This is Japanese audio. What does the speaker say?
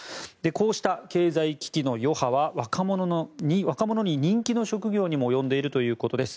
こうした経済危機の余波は若者に人気の職業にも及んでいるということです。